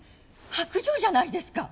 薄情じゃないですか！